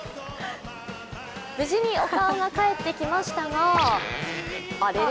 無事にお顔が帰ってきましたが、あれれ？